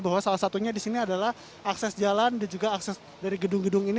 bahwa salah satunya di sini adalah akses jalan dan juga akses dari gedung gedung ini